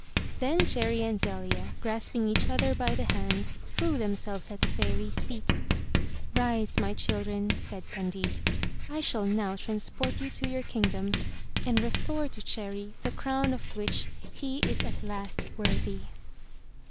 Then Cherry and Zelia, grasping each other by the hand, threw themselves at the Fairy's feet. "Rise, my children," said Candide, "I shall now transport you to your kingdom and restore to Cherry the crown of which he is at last worthy."